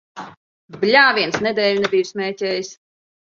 Bļāviens! Nedēļu nebiju smēķējis.